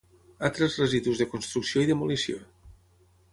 Altres residus de construcció i demolició.